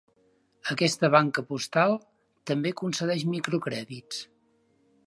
Aquesta banca postal també concedeix microcrèdits.